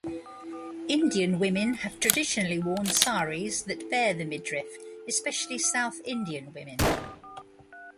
Indian women have traditionally worn saris that bare the midriff, especially South Indian women.